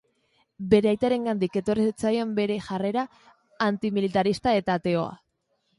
Bere aitarengandik etorri zitzaion bere jarrera antimilitarista eta ateoa.